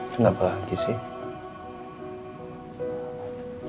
kenapa lagi sih